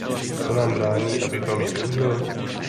Co nám brání, abychom ji využili?